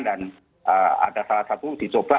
dan ada salah satu dicoba